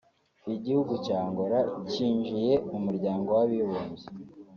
Igihugu cya Angola cyinjiye mu muryango w’abibumbye